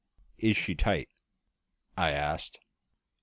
"Is she tight?" I asked.